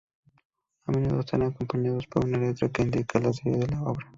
A menudo están acompañados por una letra que indica la serie de la obra.